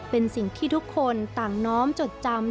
เป็นสิ่งที่ทุกคนต่างน้อมจดจำ